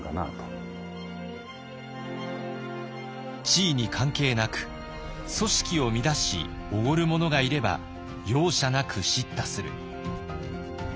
地位に関係なく組織を乱しおごる者がいれば容赦なく叱咤する。